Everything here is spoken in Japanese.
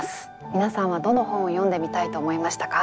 皆さんはどの本を読んでみたいと思いましたか？